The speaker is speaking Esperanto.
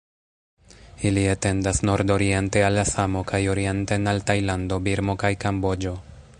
Ili etendas nordoriente al Asamo kaj orienten al Tajlando, Birmo kaj Kamboĝo.